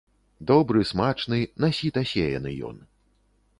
Добры, смачны, на сіта сеяны ён.